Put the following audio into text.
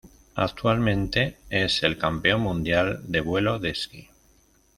Actualmente es el campeón mundial de vuelo de esquí.